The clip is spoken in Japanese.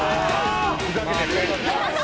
ふざけてるね。